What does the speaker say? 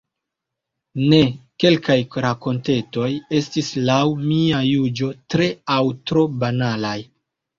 Ne, kelkaj rakontetoj estis laŭ mia juĝo tre aŭ tro banalaj.